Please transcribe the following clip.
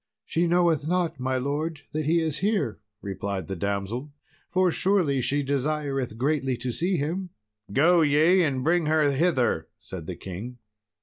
"She knoweth not, my lord, that he is here," replied the damsel, "for truly she desireth greatly to see him." "Go ye and bring her hither," said the king.